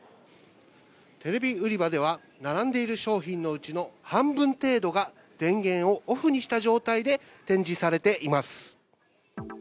テレビ売り場では、並んでいる商品のうちの半分程度が電源をオフにした状態で展示されています。